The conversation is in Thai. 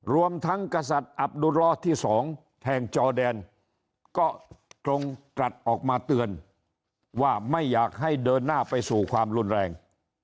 รวมทั้งกษัตริย์อับดุรอที่๒แห่งจอแดนก็ตรงตรัสออกมาเตือนว่าไม่อยากให้เดินหน้าไปสู่ความรุนแรง